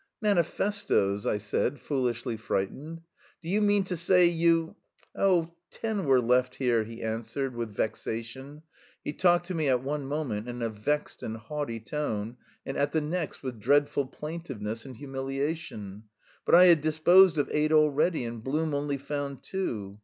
"Manifestoes!" I said, foolishly frightened. "Do you mean to say you..." "Oh, ten were left here," he answered with vexation (he talked to me at one moment in a vexed and haughty tone and at the next with dreadful plaintiveness and humiliation), "but I had disposed of eight already, and Blum only found two."